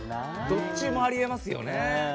どっちもあり得ますよね。